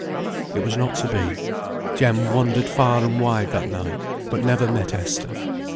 It was not to be. Jem wandered far and wide that night, but never met Esther.